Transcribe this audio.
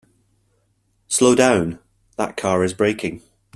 Slow down, that car is braking!